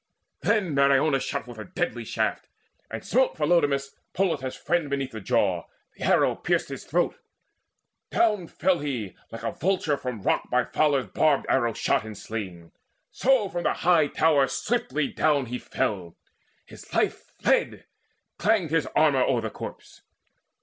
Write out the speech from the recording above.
Then Meriones shot forth a deadly shaft, And smote Phylodamas, Polites' friend, Beneath the jaw; the arrow pierced his throat. Down fell he like a vulture, from a rock By fowler's barbed arrow shot and slain; So from the high tower swiftly down he fell: His life fled; clanged his armour o'er the corpse.